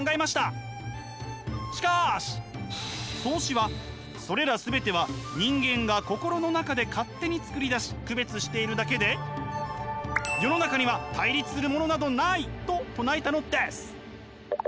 しかし荘子はそれらすべては人間が心の中で勝手に作り出し区別しているだけで「世の中には対立するものなど無い」と唱えたのです。